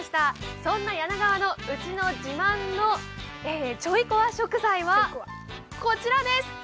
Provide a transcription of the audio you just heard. そんな柳川の、うちの自慢のちょいコワ食材はこちらです。